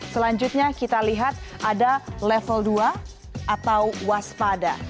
selanjutnya kita lihat ada level dua atau waspada